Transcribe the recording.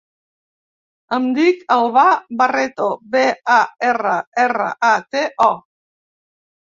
Em dic Albà Barreto: be, a, erra, erra, e, te, o.